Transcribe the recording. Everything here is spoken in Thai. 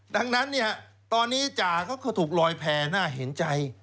ดังนั้นตอนนี้จาก็ถูกลอยแผ่น่าเห็นใจ